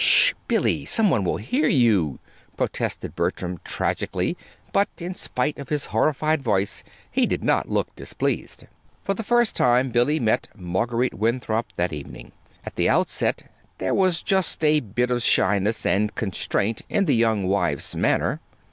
"Sh h, Billy! Some one will hear you," protested Bertram, tragically; but, in spite of his horrified voice, he did not look displeased. For the first time Billy met Marguerite Winthrop that evening. At the outset there was just a bit of shyness and constraint in the young wife's manner.